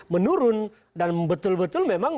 menurun dan betul betul memang